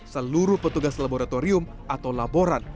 seluruh petugas laboratorium atau laboran